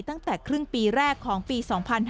ตั้งแต่ครึ่งปีแรกของปี๒๕๕๙